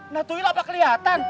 nah tuyul apa keliatan